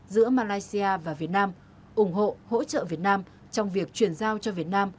giữa malaysia và việt nam ủng hộ hỗ trợ việt nam trong việc chuyển giao cho việt nam